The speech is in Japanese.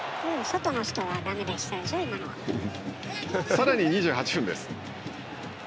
さらに２８分です。